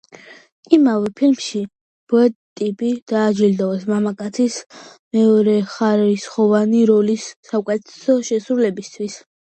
იმავე ფილმში ბრედ პიტი დააჯილდოვეს მამაკაცის მეორეხარისხოვანი როლის საუკეთესო შესრულებისთვის.